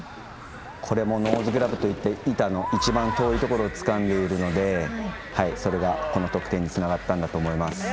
ノーズグラブといって板の一番遠いところをつかんでいるのでそれが、この得点につながったんだと思います。